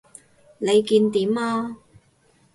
你見點啊？